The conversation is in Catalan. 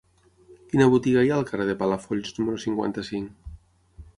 Quina botiga hi ha al carrer de Palafolls número cinquanta-cinc?